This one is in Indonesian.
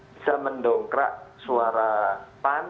bisa mendongkrak suara pan